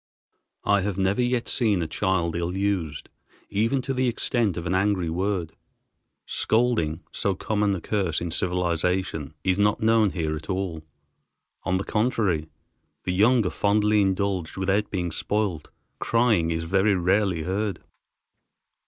I have never yet seen a child ill used, even to the extent of an angry word. Scolding, so common a curse in civilization, is not known here at all. On the contrary the young are fondly indulged without being spoiled. Crying is very rarely heard.